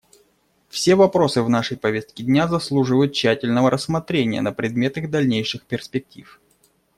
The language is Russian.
Все вопросы в нашей повестке дня заслуживают тщательного рассмотрения на предмет их дальнейших перспектив.